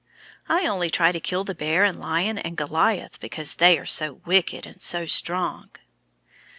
"I only try to kill the bear and lion and Goliath, because they're so wicked and so strong."